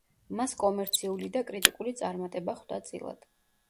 მას კომერციული და კრიტიკული წარმატება ხვდა წილად.